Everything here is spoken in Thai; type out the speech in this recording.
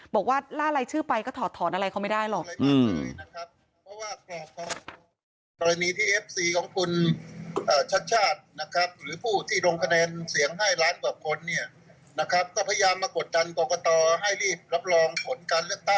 ล่ารายชื่อไปก็ถอดถอนอะไรเขาไม่ได้หรอก